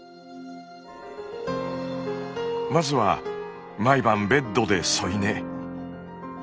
まずは毎晩ベッドで添い寝。